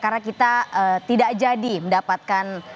karena kita tidak jadi mendapatkan